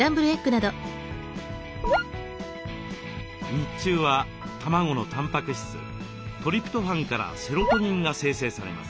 日中は卵のたんぱく質トリプトファンからセロトニンが生成されます。